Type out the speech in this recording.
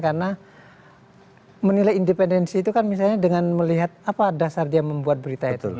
karena menilai independensi itu kan misalnya dengan melihat apa dasar dia membuat berita itu